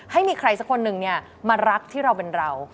ให้มีใครสักคนหนึ่งมารักที่เราเป็นเรา